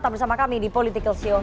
tetap bersama kami di politikalshow